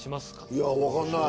いやわかんない。